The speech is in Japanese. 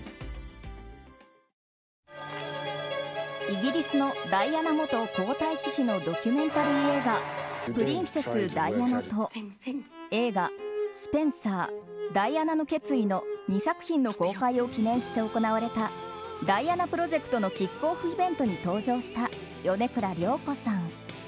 イギリスのダイアナ元皇太子妃のドキュメンタリー映画「プリンセス・ダイアナ」と映画「スペンサーダイアナの決意」の２作品の公開を記念して行われたダイアナプロジェクトのキックオフイベントに登場した米倉涼子さん。